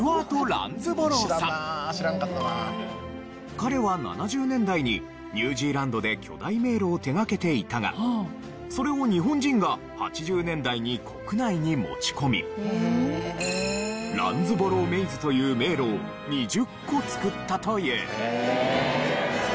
彼は７０年代にニュージーランドで巨大迷路を手掛けていたがそれを日本人が８０年代に国内に持ち込みランズボローメイズという迷路を２０個造ったという。